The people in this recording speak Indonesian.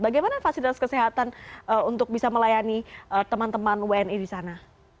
bagaimana fasilitas kesehatan untuk bisa melayani teman teman wni di sana